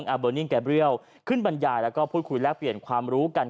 เบอร์นิ่งแกเรียลขึ้นบรรยายแล้วก็พูดคุยแลกเปลี่ยนความรู้กัน